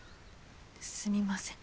すみません。